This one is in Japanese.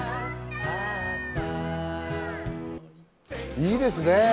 いいですね。